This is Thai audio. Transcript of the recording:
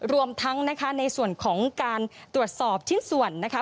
รวมทั้งนะคะในส่วนของการตรวจสอบชิ้นส่วนนะคะ